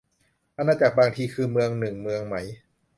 อาณาจักร บางทีก็คือเมืองหนึ่งเมืองไหม